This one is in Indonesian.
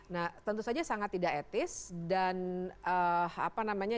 nah tentu saja sangat tidak etis dan apa namanya